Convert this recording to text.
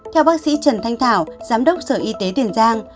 theo bác sĩ trần thanh thảo giám đốc sở y tế tiền giang